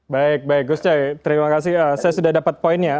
baik baik gus coy terima kasih saya sudah dapat poinnya